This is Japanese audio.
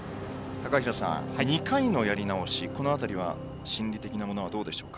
高平さん、２回のやり直しこの辺りは心理的なものはどうですか。